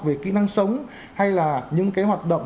về kỹ năng sống hay là những cái hoạt động